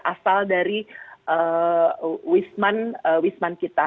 asal dari wisman kita